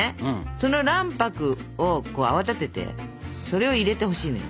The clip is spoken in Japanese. その卵白を泡立ててそれを入れてほしいのよ。